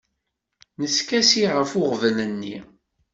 Neskasi ɣef uɣbel-nni.